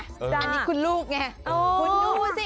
อันนี้คุณลูกไง